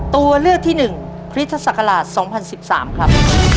ตัวเลือกที่๑คริสตศักราช๒๐๑๓ครับ